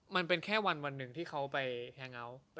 มันเป็นแค่วันหนึ่งที่เขาไปแฮเงาส์